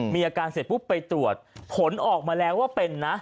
มีอาการเสร็จปุ๊บไปตรวจผลออกมาแล้วว่าเป็นนะ